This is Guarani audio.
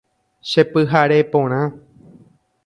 Chepyhare porã.